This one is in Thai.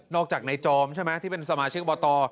จากในจอมใช่ไหมที่เป็นสมาชิกบต